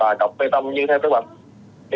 và cọc bê tông như theo kế hoạch